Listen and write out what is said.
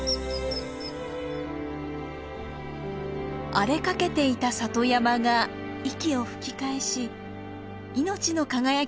荒れかけていた里山が息を吹き返し命の輝きが戻ってきました。